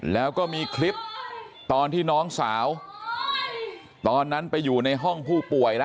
แล้วก็มีคลิปตอนที่น้องสาวตอนนั้นไปอยู่ในห้องผู้ป่วยแล้ว